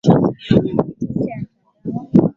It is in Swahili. Kwa kuwa maneno uliyonipa nimewapa wao nao wakayapokea